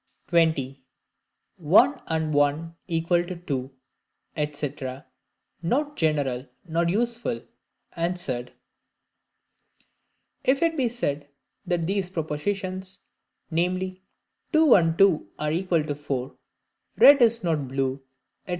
20. One and one equal to Two, &c., not general nor useful answered. If it be said, that these propositions, viz. "two and two are equal to four," "red is not blue," &c.